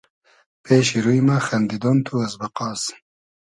پېشی روی مۂ خئندیدۉن تو از بئقاس